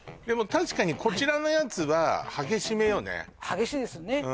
でも確かにこちらのやつは激しめよね激しいですよね